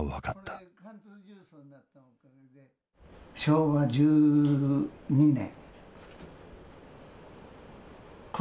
昭和１２年。